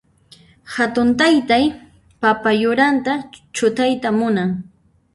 Hatun taytay papa yuranta chutayta munan.